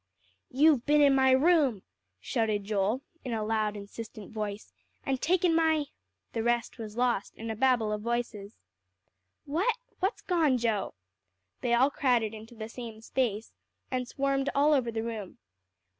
"You've been in my room," shouted Joel in a loud, insistent voice, "and taken my " The rest was lost in a babel of voices. "What? What's gone, Joe?" They all crowded into the small space, and swarmed all over the room.